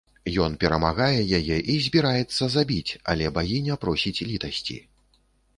Ён перамагае яе і збіраецца забіць, але багіня просіць літасці.